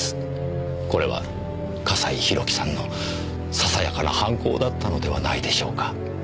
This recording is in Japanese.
これは笠井宏樹さんのささやかな反抗だったのではないでしょうか。